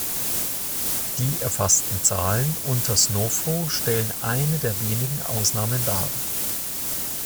Die erfassten Zahlen unter Snofru stellen eine der wenigen Ausnahmen dar.